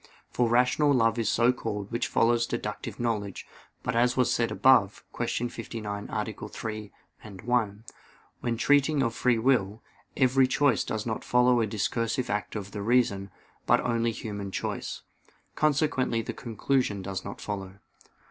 For rational love is so called which follows deductive knowledge: but, as was said above (Q. 59, A. 3, ad 1), when treating of free will, every choice does not follow a discursive act of the reason; but only human choice. Consequently the conclusion does not follow.